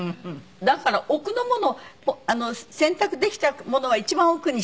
だから奥のもの洗濯できたものは一番奥にしてくださいと。